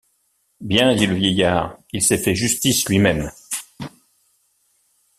Bien, dit le vieillard, il s’est fait justice lui-même!